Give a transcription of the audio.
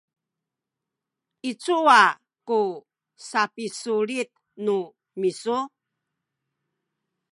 i cuwa ku sapisulit nu misu?